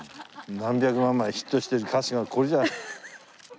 何百万枚ヒットしてる歌手がこれじゃあ。